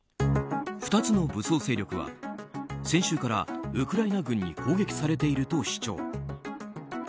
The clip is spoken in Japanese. ２つの武装勢力は先週から、ウクライナ軍に攻撃されていると主張。